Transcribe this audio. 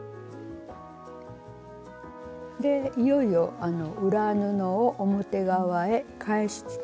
でいよいよ裏布を表側へ返します。